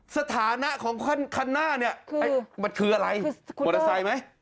สถานะของคันข้างหน้าเนี่ยมันคืออะไรมั้ยอาวุธไซค์ไหม